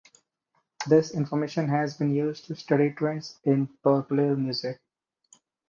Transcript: This information has been used to study trends in popular music.